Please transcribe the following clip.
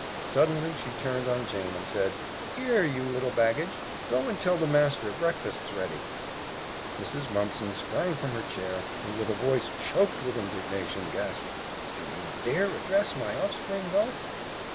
Suddenly she turned on Jane and said, "'Ere, you little baggage, go and tell the master breakfast's ready." Mrs. Mumpson sprang from her chair, and with a voice choked with indignation, gasped, "Do you dare address my offspring thus?"